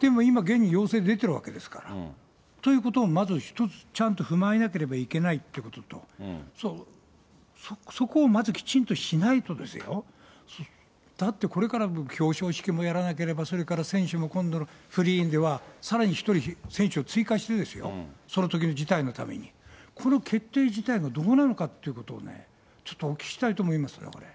でも今、現に陽性で出てるわけですから。ということをまず一つ、ちゃんと踏まえなければいけないってことと、そこをまずきちんとしないとですよ、だってこれから表彰式もやらなければ、それから選手も今度のフリーでは、さらに１人、選手を追加してですよ、そのときの事態のために、この決定自体がどうなのかということをね、ちょっとお聞きしたいと思いますけどね。